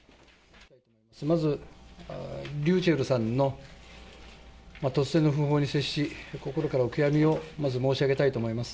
まずｒｙｕｃｈｅｌｌさんの突然の訃報に接し、心からお悔やみを、まず申し上げたいと思います。